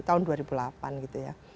tahun dua ribu delapan gitu ya